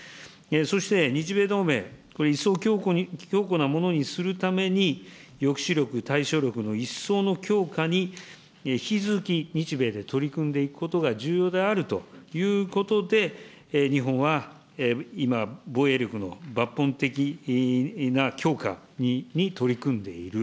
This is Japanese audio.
そして日米同盟、一層強固なものにするために、抑止力、対処力の一層の強化に、引き続き日米で取り組んでいくことが重要であるということで、日本は今、防衛力の抜本的な強化に取り組んでいる。